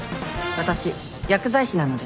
私薬剤師なので。